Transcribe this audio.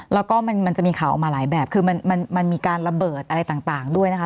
แล้วก็มันจะมีข่าวออกมาหลายแบบคือมันมีการระเบิดอะไรต่างด้วยนะคะ